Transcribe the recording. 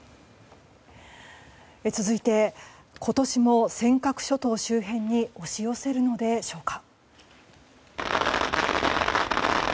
続いて今年も尖閣諸島周辺に押し寄せるのでしょうか。